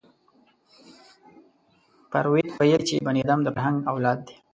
فروید ویلي چې بني ادم د فرهنګ اولاد دی